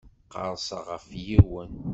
Qerrseɣ ɣef yiwen.